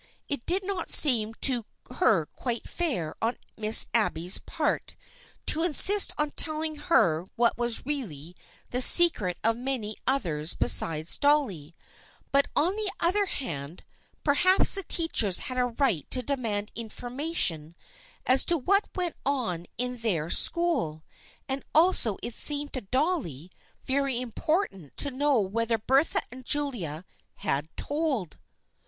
It did not seem to her quite fair on Miss Abby's part to insist on her telling her what was really the secret of many others besides Dolly, but on the other hand, perhaps the teachers had a right to demand information as to what went on in their school, and also it seemed to Dolly very im portant to know whether Bertha and Julia had " told."